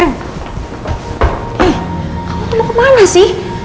kamu mau kemana sih